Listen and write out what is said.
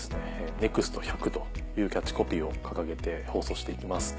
「ＮＥＸＴ１∞」というキャッチコピーを掲げて放送して行きます。